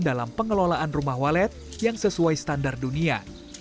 dalam pengelolaan rumah walet yang sesuai standar dunia